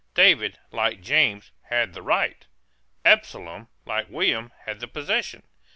David, like James, had the right: Absalom, like William, had the possession.